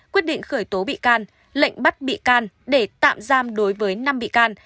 quyết định khởi tố bị can lệnh bắt bị can để tạm giam đối với năm bị can